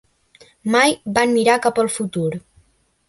Mai van mirar cap al futur.